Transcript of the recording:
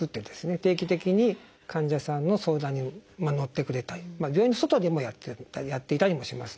定期的に患者さんの相談にのってくれたり病院の外でもやっていたりもしますので。